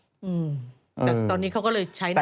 อืมแต่ตอนนี้เขาก็เลยใช้น้ำ